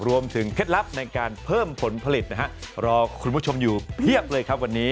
เคล็ดลับในการเพิ่มผลผลิตนะฮะรอคุณผู้ชมอยู่เพียบเลยครับวันนี้